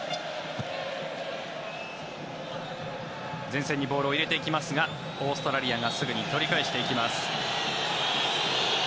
前線にボールを入れていきますがオーストラリアがすぐに取り返していきます。